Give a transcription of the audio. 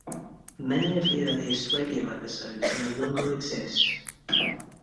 Many of the earliest radio episodes no longer exist.